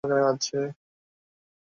এখনো মে এর কণ্ঠ আমার কানে বাজছে।